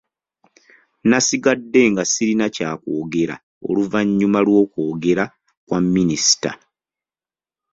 Nasigadde nga sirina kya kwogera oluvannyuma lw'okwogera kwa minisita.